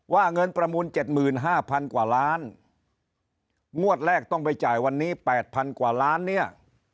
เงินประมูล๗๕๐๐กว่าล้านงวดแรกต้องไปจ่ายวันนี้๘๐๐กว่าล้านเนี่ย